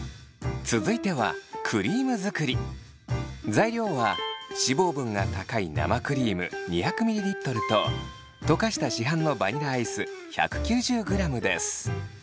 材料は脂肪分が高い生クリーム２００ｍｌと溶かした市販のバニラアイス１９０ｇです。